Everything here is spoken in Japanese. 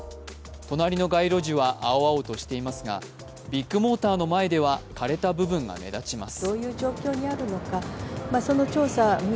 隣の街路樹は青々としていますが、ビッグモーターの前では枯れた部分が目立ちます。